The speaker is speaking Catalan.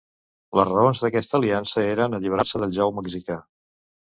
Les raons d'aquesta aliança eren alliberar-se del jou mexica.